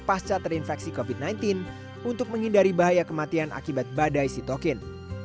pasca terinfeksi covid sembilan belas untuk menghindari bahaya kematian akibat badai sitokin